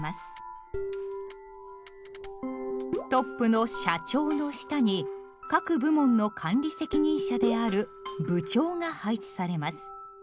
トップの「社長」の下に各部門の管理責任者である「部長」が配置されます。